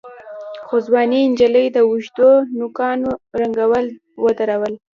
خو ځوانې نجلۍ د اوږدو نوکانو رنګول ودرول.